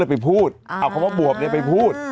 แต่อาจจะส่งมาแต่อาจจะส่งมา